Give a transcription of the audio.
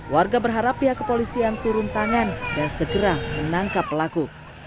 warga berharap pihak kepolisian turun tangan dan segera menangkap pelaku